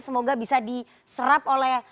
semoga bisa diserap oleh